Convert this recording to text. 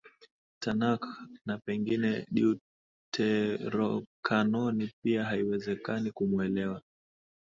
Tanakh na pengine Deuterokanoni pia Haiwezekani kumuelewa